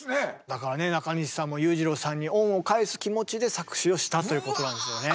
だからねなかにしさんも裕次郎さんに恩を返す気持ちで作詞をしたということなんですよね。